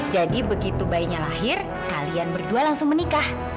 jadi begitu bayinya lahir kalian berdua langsung menikah